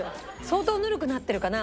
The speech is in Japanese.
相当ぬるくなってるかな？